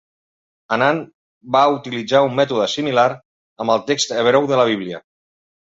Anan va utilitzar un mètode similar amb el text hebreu de la Bíblia.